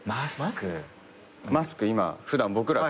マスク今普段僕ら。